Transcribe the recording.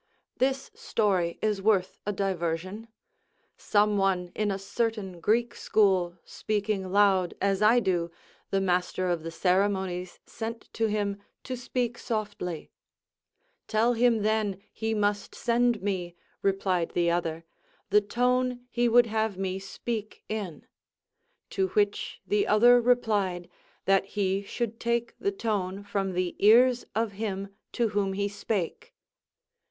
This story is worth a diversion. Some one in a certain Greek school speaking loud as I do, the master of the ceremonies sent to him to speak softly: "Tell him, then, he must send me," replied the other, "the tone he would have me speak in." To which the other replied, "That he should take the tone from the ears of him to whom he spake."